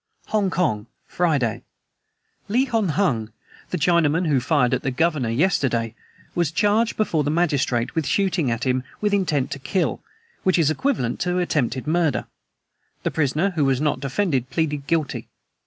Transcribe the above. "HONG KONG, Friday. "Li Hon Hung, the Chinaman who fired at the Governor yesterday, was charged before the magistrate with shooting at him with intent to kill, which is equivalent to attempted murder. The prisoner, who was not defended, pleaded guilty.